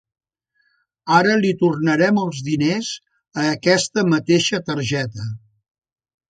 Ara li tornarem els diners a aquesta mateixa targeta.